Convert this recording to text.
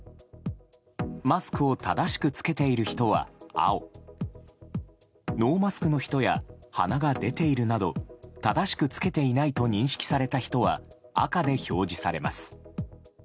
マスクを正しく着けている人は青ノーマスクの人や鼻が出ているなど正しく着けていないと認識された人は赤で表示されます。